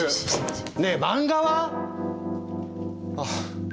ねぇ漫画は⁉ああ。